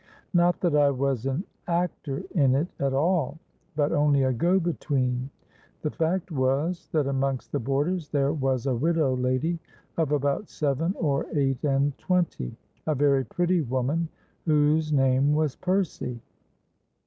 Not that I was an actor in it at all; but only a go between. The fact was, that amongst the boarders there was a widow lady, of about seven or eight and twenty—a very pretty woman, whose name was Percy.